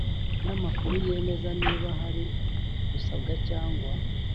n amakuru yemeza niba hari gusabwa cyangwa